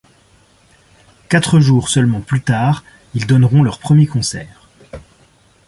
Quatre jours seulement plus tard, ils donneront leur premier concert.